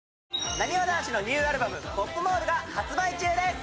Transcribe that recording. なにわ男子のニューアルバム『ＰＯＰＭＡＬＬ』が発売中です！